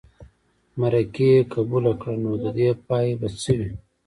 مرکې قبوله کړه نو د دې پای به څه وي.